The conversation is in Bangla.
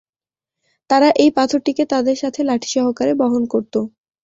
তারা এই পাথরটিকে তাদের সাথে লাঠি সহকারে বহন করত।